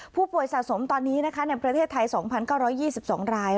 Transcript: ผู้ป่วยสะสมตอนนี้นะคะในประเทศไทย๒๙๒๒ราย